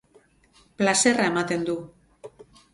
Plazerra ematen du.